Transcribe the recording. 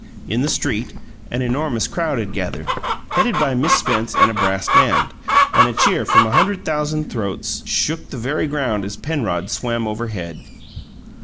In the street an enormous crowd had gathered, headed by Miss Spence and a brass band; and a cheer from a hundred thousand throats shook the very ground as Penrod swam overhead.